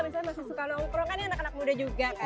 misalnya masih suka nongkrong kan ini anak anak muda juga kan